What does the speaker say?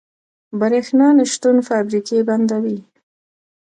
برښنا نشتون فابریکې بندوي.